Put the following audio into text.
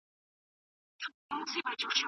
دا نبات د سترګو دید ته ګټه رسوي.